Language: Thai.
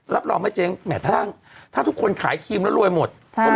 รับรองไม่เจ๊งแม้ถ้าทุกคนขายครีมแล้วรวยหมด